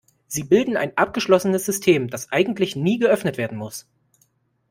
Sie bilden ein abgeschlossenes System, das eigentlich nie geöffnet werden muss.